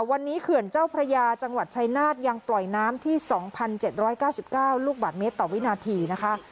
วันนี้เขื่อนเจ้าพระยาจังหวัดชัยนาธิ์ยังปล่อยน้ำที่สองพันเจ็ดร้อยเก้าสิบเก้าลูกบาทเมตรต่อวินาทีนะคะ